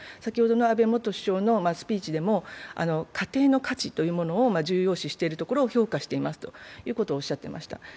安倍元総理のスピーチでも、家庭の価値というものを重要視しているところを評価していますとおっしゃっていました。